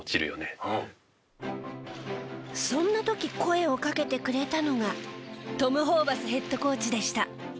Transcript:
そんな時声をかけてくれたのがトム・ホーバスヘッドコーチでした。